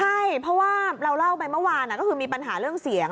ใช่เพราะว่าเราเล่าไปเมื่อวานก็คือมีปัญหาเรื่องเสียง